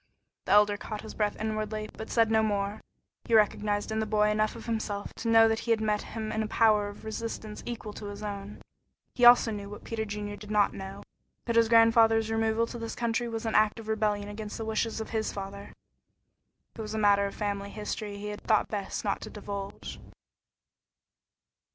The Elder caught his breath inwardly, but said no more. He recognized in the boy enough of himself to know that he had met in him a power of resistance equal to his own. He also knew what Peter Junior did not know, that his grandfather's removal to this country was an act of rebellion against the wishes of his father. It was a matter of family history he had thought best not to divulge.